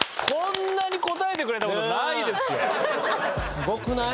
すごくない？